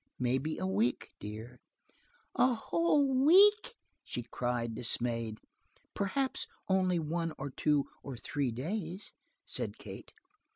"Maybe a week, dear." "A whole week?" she cried, dismayed. "Perhaps only one or two or three days," said Kate.